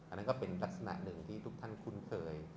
อันนั้นก็เป็นลักษณะหนึ่งที่ทุกท่านคุ้นเคย